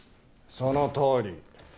そのとおり。